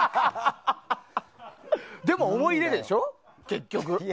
でも、思い入れでしょ結局。